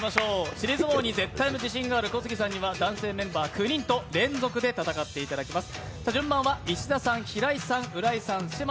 尻相撲に絶対の自信がある小杉さんには男性メンバー９人と連続で戦っていただきます。